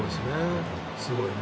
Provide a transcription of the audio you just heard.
すごいね。